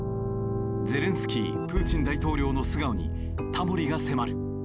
ゼレンスキープーチン大統領の素顔にタモリが迫る。